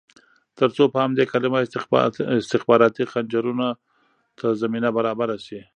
ترڅو په همدې کلمه استخباراتي خنجرونو ته زمینه برابره شي.